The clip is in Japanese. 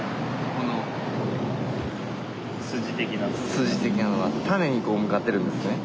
筋的なのが種に向かってるんですね。